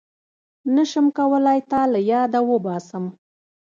نشم کولای تا له ياده وباسم